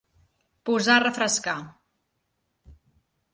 Posar a refrescar.